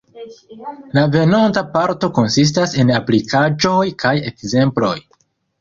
La venonta parto konsistas en aplikaĵoj kaj ekzemploj.